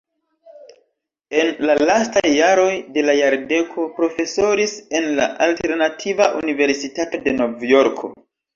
En la lastaj jaroj de la jardeko profesoris en la Alternativa Universitato de Novjorko.